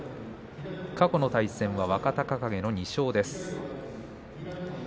過去の対戦は若隆景の２勝です。